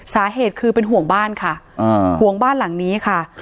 สาเหตุคือเป็นห่วงบ้านค่ะห่วงบ้านหลังนี้ค่ะ